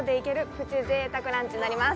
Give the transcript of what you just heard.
プチ贅沢ランチになります